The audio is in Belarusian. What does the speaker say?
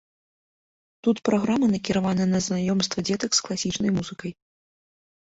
Тут праграмы накіраваныя на знаёмства дзетак з класічнай музыкай.